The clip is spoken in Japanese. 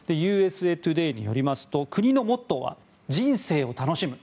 ＵＳＡトゥデイによりますと国のモットーは人生を楽しむ。